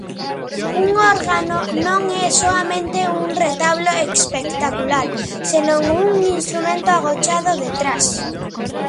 Un órgano non é soamente un retablo espectacular, senón un instrumento agochado detrás.